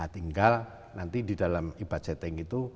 tinggal nanti di dalam ibadetting itu